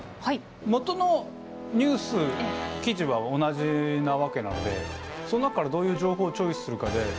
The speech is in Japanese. もとのニュース記事は同じなわけなんでその中からどういう情報をチョイスするかで。